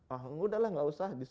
ah udah lah nggak usah